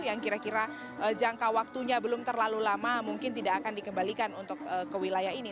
yang kira kira jangka waktunya belum terlalu lama mungkin tidak akan dikembalikan untuk ke wilayah ini